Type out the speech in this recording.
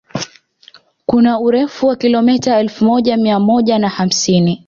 Kuna urefu wa kilomita elfu moja mia moja na hamsini